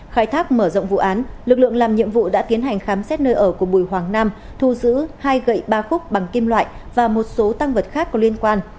khai thác mở rộng vụ án lực lượng làm nhiệm vụ đã tiến hành khám xét nơi ở của bùi hoàng nam thu giữ hai gậy ba khúc bằng kim loại và một số tăng vật khác có liên quan